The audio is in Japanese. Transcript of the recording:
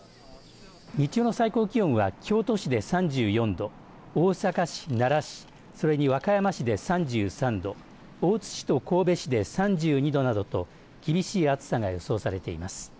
日中の最高気温は京都市で３４度大阪市、奈良市それに和歌山市で３３度大津市と神戸市で３２度などと厳しい暑さが予想されています。